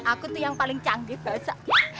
aku tuh yang paling canggih baca